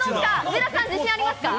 上田さん、自信ありますか？